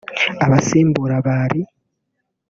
Abasimbura bari